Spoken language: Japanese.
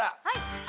はい。